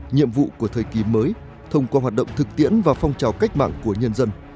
nhiệm vụ của thời kỳ mới thông qua hoạt động thực tiễn và phong trào cách mạng của nhân dân